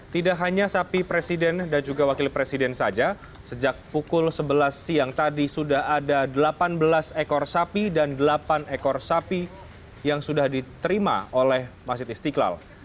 tidak hanya sapi presiden dan juga wakil presiden saja sejak pukul sebelas siang tadi sudah ada delapan belas ekor sapi dan delapan ekor sapi yang sudah diterima oleh masjid istiqlal